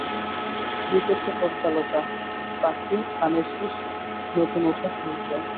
দিতেছে-পদ্মলতা, পাখি, ধানের শিষ, নতুন ওঠা সূর্য।